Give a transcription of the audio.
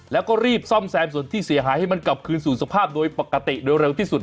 แล้วก็รีบซ่อมแซมส่วนที่เสียหายให้มันกลับคืนสู่สภาพโดยปกติโดยเร็วที่สุด